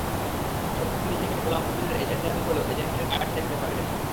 শফিক নিজেকে গোলাম কবিরের এজেন্ট দাবি করলেও এজেন্টের কার্ড দেখাতে পারেননি।